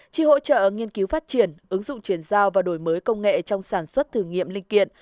chi hỗ trợ nghiên cứu phát triển ứng dụng chuyển giao và đổi mới công nghệ trong sản xuất thử nghiệm linh kiện